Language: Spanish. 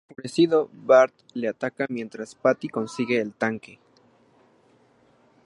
Enfurecido, Bart le ataca mientras Patty consigue el tanque.